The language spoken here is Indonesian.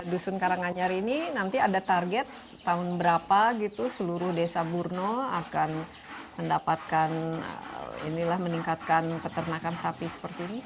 dusun karanganyar ini nanti ada target tahun berapa gitu seluruh desa burno akan mendapatkan inilah meningkatkan peternakan sapi seperti ini